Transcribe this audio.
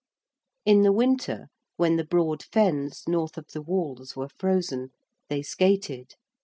In the winter, when the broad fens north of the walls were frozen, they skated.